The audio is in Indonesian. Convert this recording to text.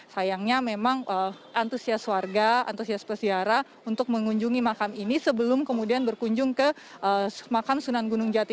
sayangnya memang antusias warga antusias peziarah untuk mengunjungi makam ini sebelum kemudian berkunjung ke makam sunan gunung jati